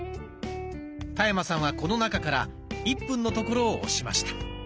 田山さんはこの中から１分のところを押しました。